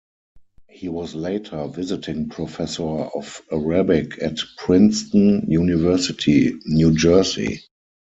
He was later Visiting Professor of Arabic at Princeton University, New Jersey.